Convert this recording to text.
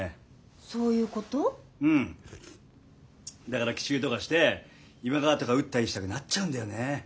だから奇襲とかして今川とか討ったりしたくなっちゃうんだよね。